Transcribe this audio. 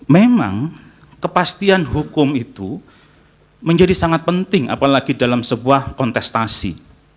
memang kepastian hukum itu menjadi sangat penting apalagi dalam sebuah kontestasi